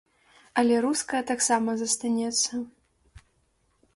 Але руская таксама застанецца.